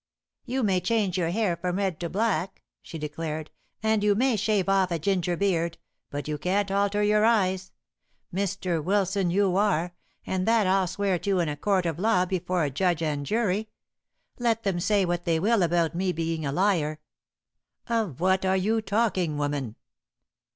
"You may change your hair from red to black," she declared, "and you may shave off a ginger beard, but you can't alter your eyes. Mr. Wilson you are, and that I'll swear to in a court of law before a judge and jury. Let them say what they will about me being a liar." "Of what are you talking, woman?"